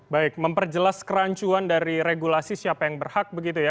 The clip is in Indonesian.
baik memperjelas kerancuan dari regulasi siapa yang berhak begitu ya